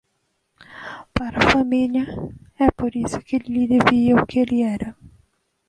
Para a família, é por isso que lhe devia o que ele era.